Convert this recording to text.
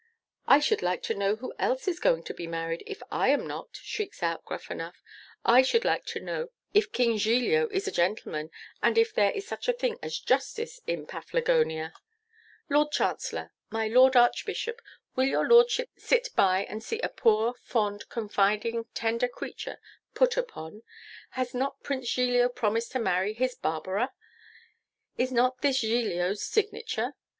'I should like to know who else is going to be married, if I am not?' shrieks out Gruffanuff. 'I should like to know if King Giglio is a gentleman, and if there is such a thing as justice in Paflagonia? Lord Chancellor! my Lord Archbishop! will your Lordships sit by and see a poor, fond, confiding, tender creature put upon? Has not Prince Giglio promised to marry his Barbara? Is not this Giglio's signature?